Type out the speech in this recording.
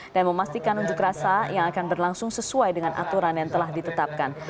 dan memastikan unjuk rasa yang akan berlangsung sesuai dengan aturan yang telah ditetapkan